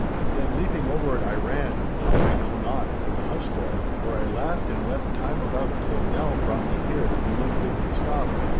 Then leaping over it I ran, how I know not, for the house door—where I laughed and wept time about till Nell brought me here that you might bid me stop.